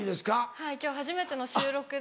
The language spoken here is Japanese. はい今日初めての収録で。